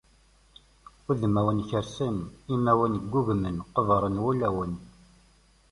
Udmawen kersen, imawen ggugmen, qebren wulawen.